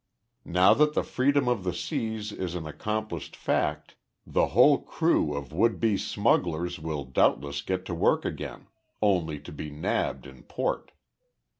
"Now that the freedom of the seas is an accomplished fact the whole crew of would be smugglers will doubtless get to work again, only to be nabbed in port.